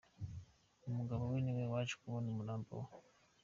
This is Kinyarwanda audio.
Umugabo we ni we waje kubona umurambo we.